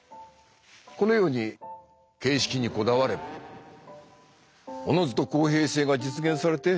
このように「形式」にこだわればおのずと公平性が実現されて